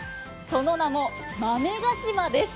その名も豆ヶ島です。